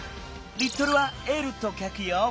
リットルは「Ｌ」とかくよ。